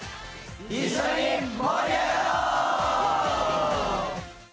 一緒に盛り上がろう！